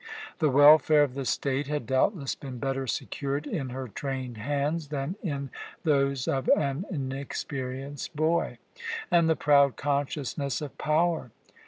The welfare of the state had doubtless been better secured in her trained hands than in those of an inexperienced boy. And the proud consciousness of power!